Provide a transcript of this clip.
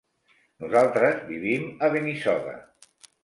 Nosaltres vivim a Benissoda.